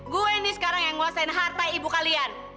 gue ini sekarang yang nguasain harta ibu kalian